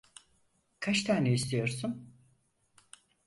Kaç tane istiyorsun?